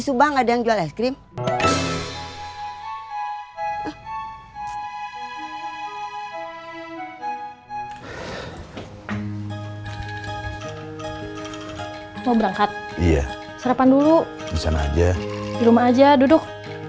subang ada yang jual es krim mau berangkat iya sarapan dulu di sana aja di rumah aja duduk